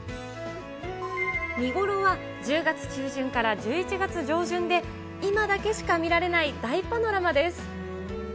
見頃は１０月中旬から１１月上旬で、今だけしか見られない大パノラマです。